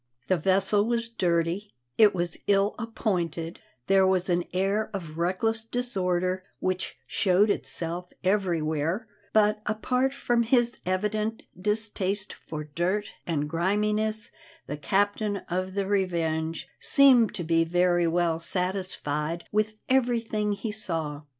The vessel was dirty, it was ill appointed; there was an air of reckless disorder which showed itself everywhere; but, apart from his evident distaste for dirt and griminess, the captain of the Revenge seemed to be very well satisfied with everything he saw.